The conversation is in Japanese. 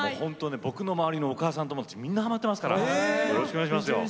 僕の周りのお母さん友達みんなはまってますからよろしくお願いしますよ。